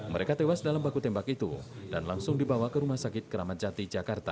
mereka tewas dalam baku tembak itu dan langsung dibawa ke rumah sakit keramat jati jakarta